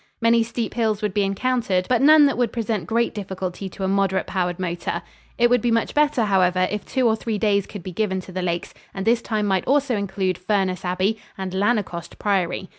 Many steep hills would be encountered, but none that would present great difficulty to a moderate powered motor. It would be much better, however, if two or three days could be given to the Lakes, and this time might also include Furness Abbey and Lanercost Priory.